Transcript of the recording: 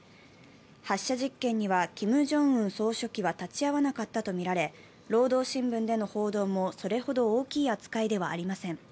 発射実験にはキム・ジョンウン総書記は立ち会わなかったとみられ、「労働新聞」での報道も、それほど大きい扱いではありません。